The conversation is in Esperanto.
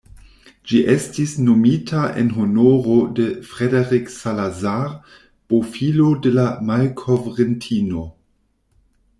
Ĝi estis nomita en honoro de "Frederick Salazar", bofilo de la malkovrintino.